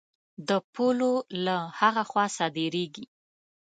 د پولو له هغه خوا صادرېږي.